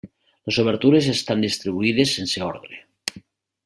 Les obertures estan distribuïdes sense ordre.